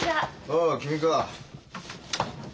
ああ君か。